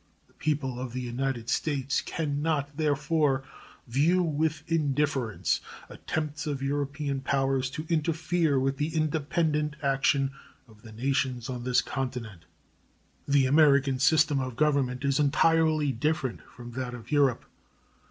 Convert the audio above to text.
The people of the United States can not, therefore, view with indifference attempts of European powers to interfere with the independent action of the nations on this continent. The American system of government is entirely different from that of Europe.